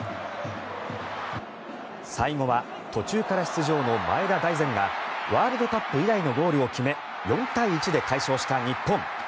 最後は途中から出場の前田大然がワールドカップ以来のゴールを決めて４対１で快勝した日本。